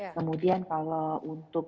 kemudian kalau untuk